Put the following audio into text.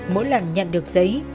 mỗi lần nhận được giấy